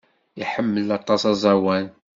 Iḥemmel aṭas aẓawan.